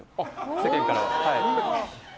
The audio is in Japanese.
世間からは。